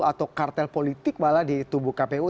atau kartel politik malah di tubuh kpu